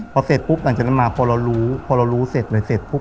พอเสร็จปุ๊บหลังจากนั้นมาพอเรารู้พอเรารู้เสร็จเลยเสร็จปุ๊บ